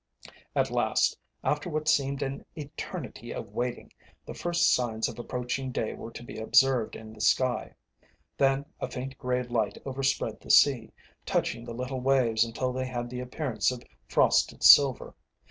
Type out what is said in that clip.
At last, after what seemed an eternity of waiting, the first signs of approaching day were to be observed in the sky. Then a faint grey light overspread the sea, touching the little waves until they had the appearance of frosted silver.